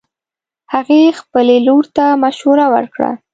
هغې خبلې لور ته مشوره ورکړه